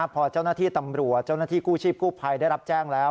พอเจ้านาธิตำรวจกู้ชีพกู้ภัยได้รับแจ้งแล้ว